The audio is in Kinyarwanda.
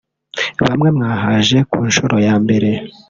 bamwe mwahaje ku nshuro ya mbere